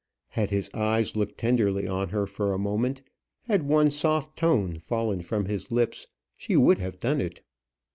Had his eyes looked tenderly on her for a moment, had one soft tone fallen from his lips, she would have done it.